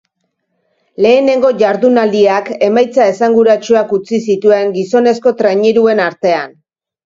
Lehenengo jardunaldiak emaitza esanguratsuak utzi zituen gizonezko traineruen artean.